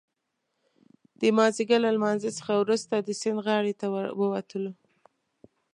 د مازدیګر له لمانځه څخه وروسته د سیند غاړې ته ووتلو.